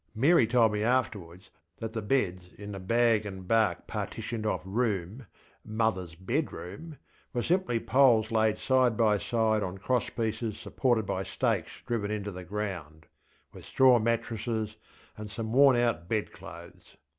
Mary told me afterwards that the beds in the bag and bark partitioned off room (ŌĆśmotherŌĆÖs bedroomŌĆÖ) were simply poles laid side by side on cross pieces supported by stakes driven into the ground, with straw mattresses and some worn out bed clothes.